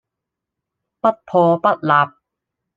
不破不立